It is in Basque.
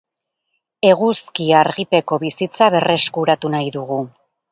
Eguzki-argipeko bizitza berreskuratu nahi du.